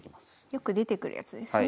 よく出てくるやつですね。